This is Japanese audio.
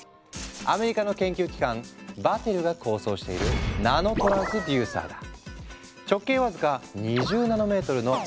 アメリカの研究機関Ｂａｔｔｅｌｌｅが構想しているナノトランスデューサーだ。